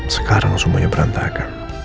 sekarang semuanya berantakan